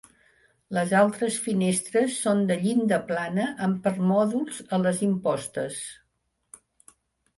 Les altres finestres són de llinda plana amb permòdols a les impostes.